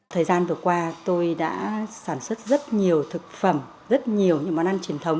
thời gian vừa qua tôi đã sản xuất rất nhiều thực phẩm rất nhiều những món ăn truyền thống